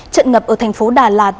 trận ngập ở thành phố đà lạt